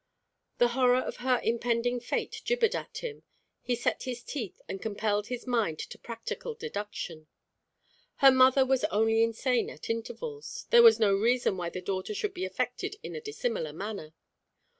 The horror of her impending fate jibbered at him. He set his teeth, and compelled his mind to practical deduction. Her mother was only insane at intervals; there was no reason why the daughter should be affected in a dissimilar manner.